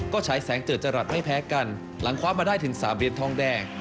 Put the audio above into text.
ก็ใช้แสงเจิดจรัสไม่แพ้กันหลังคว้ามาได้ถึง๓เหรียญทองแดง